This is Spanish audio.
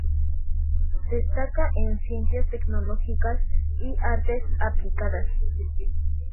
Destaca en: Ciencias, Tecnologías y Artes aplicadas.